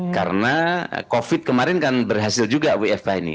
karena covid kemarin kan berhasil juga wfh ini